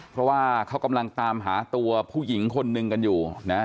เพราะว่าเขากำลังตามหาตัวผู้หญิงคนหนึ่งกันอยู่นะ